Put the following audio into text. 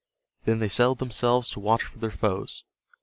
Then they settled themselves to watch for their foes.